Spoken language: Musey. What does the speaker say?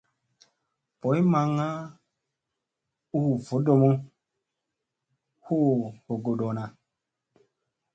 Boy maŋŋa u vodomu huu vogoɗona.